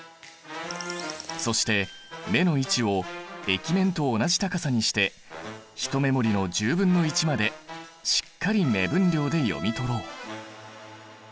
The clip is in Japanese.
そして目の位置を液面と同じ高さにしてひと目盛りの１０分の１までしっかり目分量で読み取ろう。